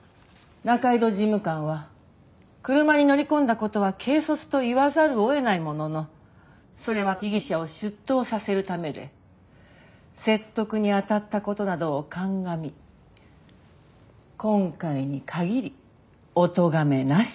仲井戸事務官は車に乗り込んだ事は軽率と言わざるを得ないもののそれは被疑者を出頭させるためで説得に当たった事などを鑑み今回に限りおとがめなし。